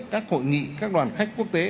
các hội nghị các đoàn khách quốc tế